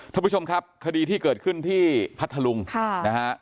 ท่านผู้ชมครับคดีที่เกิดขึ้นที่พัทธลุงค่ะนะฮะ